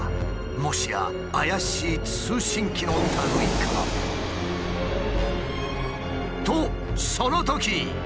もしや怪しい通信機のたぐいか！？とそのとき。